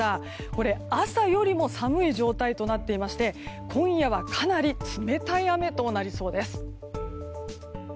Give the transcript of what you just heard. これ、朝よりも寒い状態となっていまして今夜はかなり冷たい雨となりそうです。